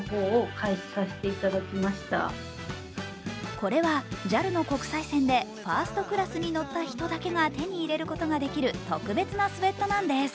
これはＪＡＬの国際線でファーストクラスに乗った人だけが手に入れることができる特別なスエットなんです。